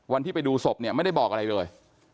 วันที่ไปดูศพเนี่ยไม่ได้บอกอะไรเลย